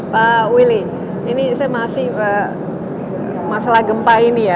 pak willy ini saya masih masalah gempa ini ya